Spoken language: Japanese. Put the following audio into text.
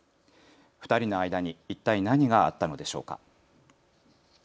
２人の間に一体何があったのでしょうか。